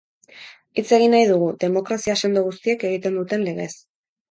Hitz egin nahi dugu, demokrazia sendo guztiek egiten duten legez.